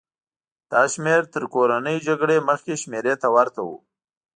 دا شمېر تر کورنۍ جګړې مخکې شمېرې ته ورته و.